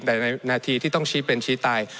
แต่ในนาทีที่ต้องชี้เป็นชี้ตาย